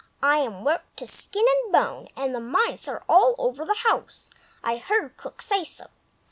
I am worked to skin and bone, and the mice are all over the house; I heard Cook say so.